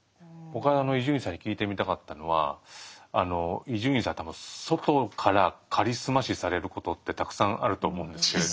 僕は伊集院さんに聞いてみたかったのは伊集院さん多分外からカリスマ視されることってたくさんあると思うんですけど。